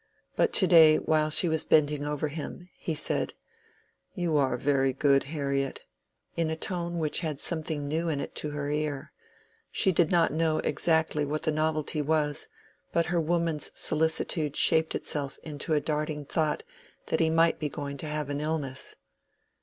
But to day, while she was bending over him, he said, "You are very good, Harriet," in a tone which had something new in it to her ear; she did not know exactly what the novelty was, but her woman's solicitude shaped itself into a darting thought that he might be going to have an illness.